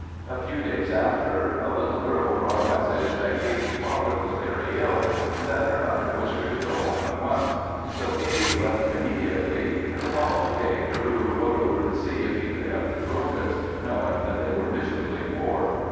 A few days after a little girl brought a message that Katey's father was very ill, and that her mother wished her to go home at once; so Katey left immediately, and the following day Carew rode over to see if he could help the Brogans, knowing that they were miserably poor.